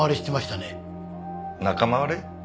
仲間割れ？